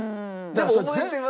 でも覚えてます。